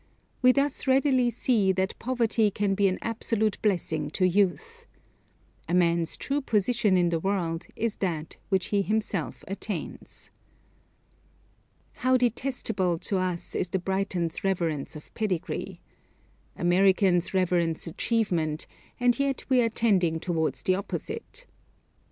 We thus readily see that poverty can be an absolute blessing to youth. A man's true position in the world is that which he himself attains. How detestable to us is the Briton's reverence of pedigree. Americans reverence achievement, and yet we are tending towards the opposite.